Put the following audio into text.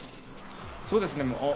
そうですね。